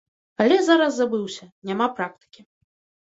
Але зараз забыўся, няма практыкі.